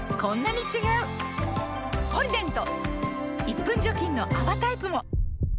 １分除菌の泡タイプも！